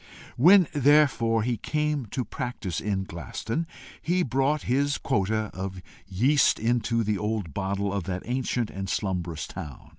When therefore he came to practise in Glaston, he brought his quota of yeast into the old bottle of that ancient and slumberous town.